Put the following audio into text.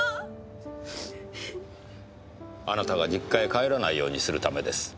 あなたが実家へ帰らないようにするためです。